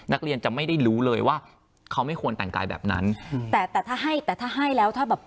นักเรียนจะไม่ได้รู้เลยว่าเขาไม่ควรแต่งกายแบบนั้นอืมแต่แต่ถ้าให้แต่ถ้าให้แล้วถ้าแบบ